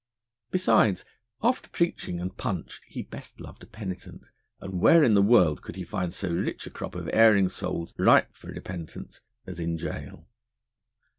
Besides, after preaching and punch he best loved a penitent, and where in the world could he find so rich a crop of erring souls ripe for repentance as in gaol?